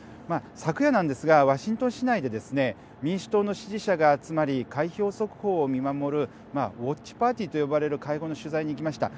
昨夜なんですがワシントン市内でですね民主党の支持者が集まり開票速報を見守るウオッチパーティーと呼ばれる会合の取材に行きました。